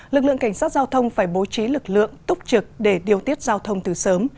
lực lượng cảnh sát giao thông phải bố trí lực lượng túc trực để điều tiết giao thông từ sớm